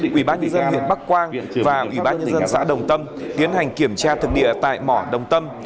quỹ bác nhân dân huyện bắc quang và quỹ bác nhân dân xã đồng tâm tiến hành kiểm tra thực địa tại mỏ đồng tâm